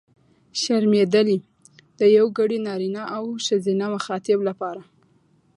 شرمېدلې! د یوګړي نرينه او ښځينه مخاطب لپاره.